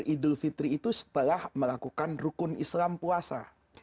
idul fitri itu setelah melakukan rukun islam puasa